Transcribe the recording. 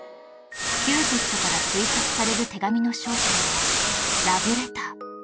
キューピッドから推察される手紙の正体はラブレター